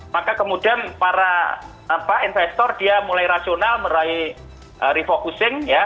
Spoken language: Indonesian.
maka kemudian para investor dia mulai rasional meraih refocusing ya